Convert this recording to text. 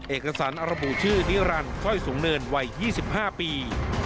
เอกสารระบุชื่อนิรันดิสร้อยสูงเนินวัย๒๕ปี